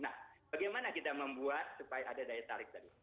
nah bagaimana kita membuat supaya ada daya tarik tadi